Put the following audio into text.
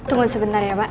tunggu sebentar ya pak